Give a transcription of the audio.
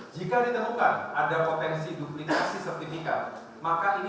jika ditemukan ada potensi duplikasi sertifikat